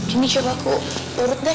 ini coba aku urut deh